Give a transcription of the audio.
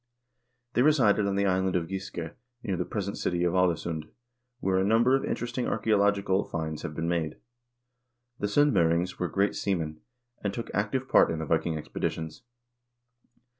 They resided on the island of Giske, near the present city of Aalesund, where a number of interesting archseological finds have been made. TheS0ndm0r ings were great seamen, and took active part in the Viking expedi tions.